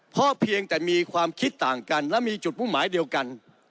เพราะเพียงแต่มีความคิดต่างกันและมีจุดมุ่งหมายเดียวกัน